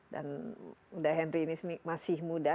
dan udah henry ini masih muda